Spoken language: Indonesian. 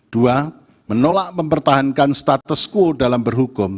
dua menolak mempertahankan status quo dalam berhukum